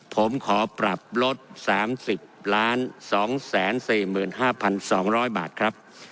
ผมขอปรับลด๓๐๒๔๕๒๐๐บาทครับ